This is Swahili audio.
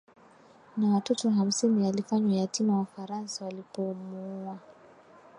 na watoto hamsini Alifanywa yatima wafaransa walipomuua